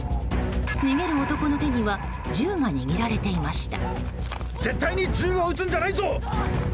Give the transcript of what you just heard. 逃げる男の手には銃が握られていました。